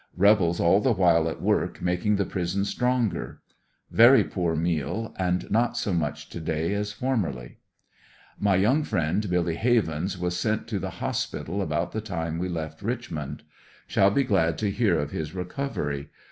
Rebels all the while at work making the prison stronger. Very poor meal, and not so much to ANDERSONYILLE DIARY. 43 day as formerly. My young friend Billy Havens was sent to the hospital about the time we left Richmond. Shall be glad to hear of his recovery.